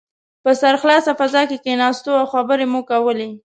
په سرخلاصه فضا کې کښېناستو او خبرې مو کولې.